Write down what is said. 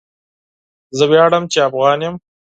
زه وياړم چي افغان يم.